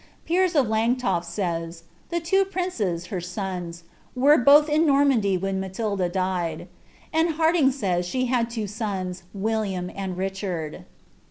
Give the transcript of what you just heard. Piers of Langiofi lays, "The Inu princes, Iwr sons, wm both in Normandy when Matilda died^" anil Hardinge eaya she had iva eons, William and Richard.